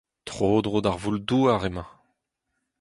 Tro-dro d'ar voul-douar emañ.